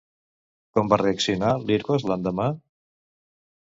Com va reaccionar Lircos l'endemà?